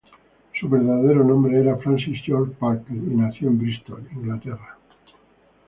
Su verdadero nombre era Francis George Packer, y nació en Bristol, Inglaterra.